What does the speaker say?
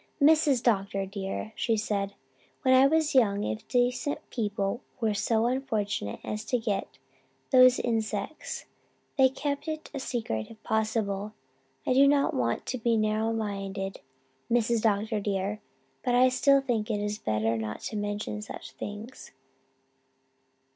'Mrs. Dr. dear,' she said, 'when I was young, if decent people were so unfortunate as to get those insects they kept it a secret if possible. I do not want to be narrow minded, Mrs. Dr. dear, but I still think it is better not to mention such things.'